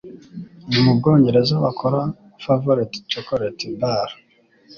Ni mu Bwongereza bakora Favorite Chocolate Bar?